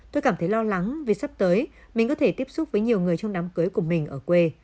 tôi cảm thấy lo lắng vì sắp tới mình có thể tiếp xúc với nhiều người trong đám cưới của mình ở quê